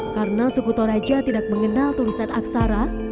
karena suku toraja tidak mengenal tulisan aksara